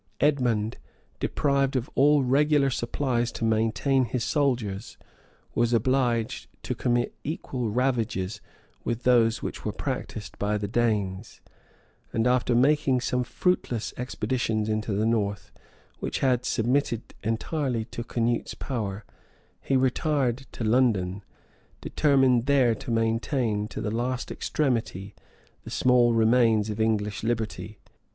Edmond, deprived of all regular supplies to maintain his soldiers, was obliged to commit equal ravages with those which were practised by the Danes; and, after making some fruitless expeditions into the north, which had submitted entirely to Canute's power, he retired to London, determined there to maintain to the last extremity the small remains of English liberty.